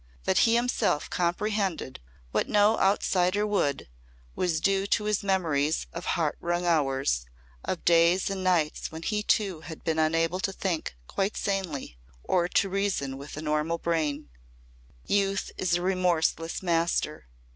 That he himself comprehended what no outsider would, was due to his memories of heart wrung hours, of days and nights when he too had been unable to think quite sanely or to reason with a normal brain. Youth is a remorseless master.